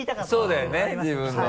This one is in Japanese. そうだよね自分の。